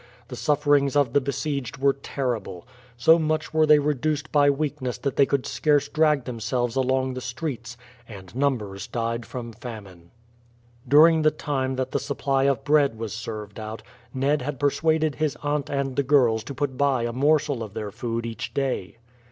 The sufferings of the besieged were terrible. So much were they reduced by weakness that they could scarce drag themselves along the streets, and numbers died from famine. During the time that the supply of bread was served out Ned had persuaded his aunt and the girls to put by a morsel of their food each day.